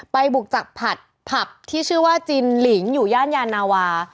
บุกจากผัดผับที่ชื่อว่าจินหลิงอยู่ย่านยานาวา